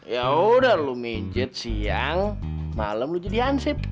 ya udah lo minjet siang malem lo jadi hansip